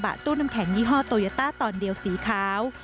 ตู้น้ำแข็งยี่ห้อโตยาต้าตอนเดียวสีขาว